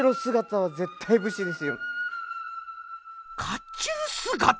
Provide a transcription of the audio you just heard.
甲冑姿！